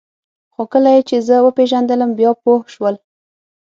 خو کله یې چې زه وپېژندلم بیا پوه شول